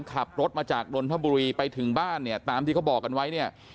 ขับรถมาจากนนทบุรีไปถึงบ้านเนี่ยตามที่เขาบอกกันไว้เนี่ย